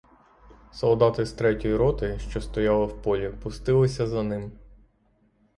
Солдати з третьої роти, що стояли в полі, пустилися за ним.